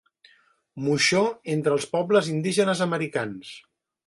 Moixó entre els pobles indígenes americans.